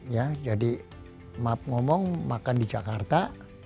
ya jadi maaf ngomong makan di jakarta